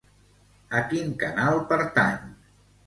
A quin canal pertany?